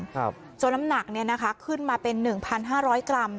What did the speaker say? ครับจนน้ำหนักเนี้ยนะคะขึ้นมาเป็นหนึ่งพันห้าร้อยกรัม